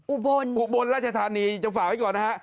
อุบลอุบลราชธานีจะฝากไว้ก่อนนะฮะ